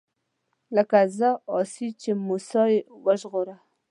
زه لکه آسيې چې موسی يې وژغوره